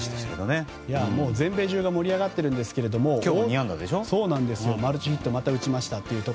全米中が盛り上がっているんですけどマルチヒットをまた打ちました。